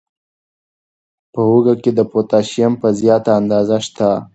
په هوږه کې پوتاشیم په زیاته اندازه شته.